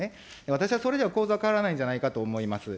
私はそれでは構造は変わらないんではないかなと思います。